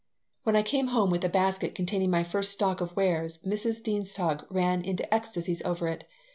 When I came home with a basket containing my first stock of wares, Mrs. Dienstog ran into ecstasies over it.